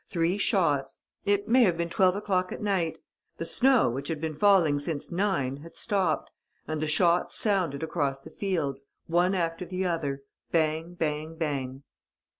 "Three shots. It may have been twelve o'clock at night. The snow, which had been falling since nine, had stopped ... and the shots sounded across the fields, one after the other: bang, bang, bang."